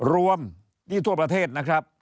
รวมนี่ทั่วประเทศนะครับ